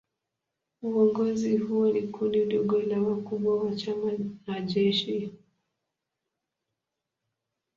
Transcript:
Uongozi huo ni kundi dogo la wakubwa wa chama na jeshi.